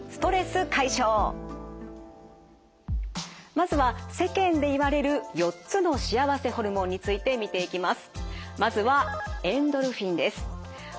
まずは世間でいわれる４つの幸せホルモンについて見ていきます。